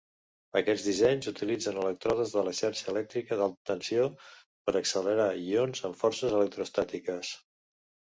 Aquests dissenys utilitzen elèctrodes de la xarxa elèctrica d'alta tensió per accelerar ions amb forces electroestàtiques.